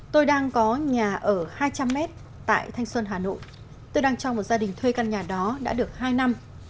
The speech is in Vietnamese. tôi đang có nhà ở hai trăm linh m tại thanh xuân hà nội tôi đang trong một gia đình thuê căn nhà đó đã được hai năm